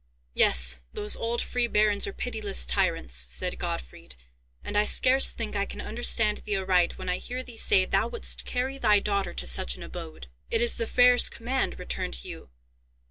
"Yes, those old free barons are pitiless tyrants," said Gottfried, "and I scarce think I can understand thee aright when I hear thee say thou wouldst carry thy daughter to such an abode." "It is the Freiherr's command," returned Hugh.